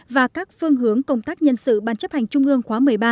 và các phương hướng công tác nhân sự ban chấp hành trung ương khóa một mươi ba